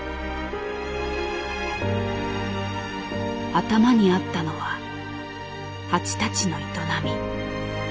頭にあったのは蜂たちの営み。